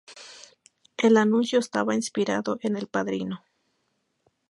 El anuncio estaba inspirado en "El Padrino.